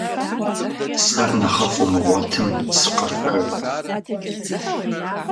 Сэр нэхъыфI умыгъуэтым, сыкъэшэж.